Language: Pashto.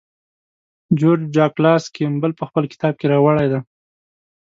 جورج ډاګلاس کیمبل په خپل کتاب کې راوړی دی.